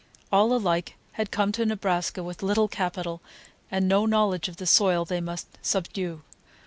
All alike had come to Nebraska with little capital and no knowledge of the soil they must subdue.